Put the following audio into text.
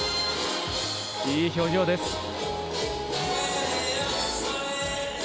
いい表情です。